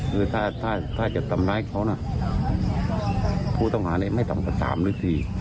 คือถ้าจะทำร้ายเขาผู้ต้องหาไม่ต่ำกว่า๓นิษฐี